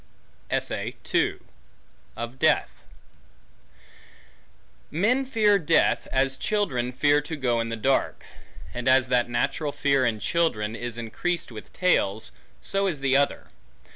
Of Death MEN fear death, as children fear to go in the dark; and as that natural fear in children, is increased with tales, so is the other.